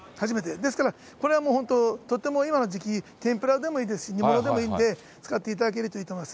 ですから、これはもう本当、とても今の時期、天ぷらでもいいですし、煮物でもいいんで、使っていただけるといいと思います。